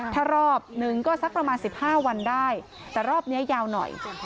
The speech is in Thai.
ถ้ารอบหนึ่งก็สักประมาณ๑๕วันได้แต่รอบนี้ยาวหน่อย